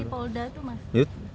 di polda itu mas